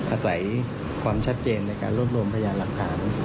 อาศัยความชัดเจนในการรวบรวมพยานหลักฐาน